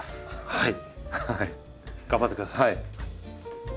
はい。